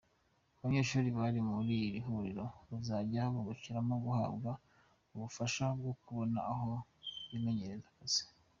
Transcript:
Abanyeshuri bari muri iri huriro bazajya bungukiramo guhabwa ubufasha bwo kubona aho bimenyerereza akazi.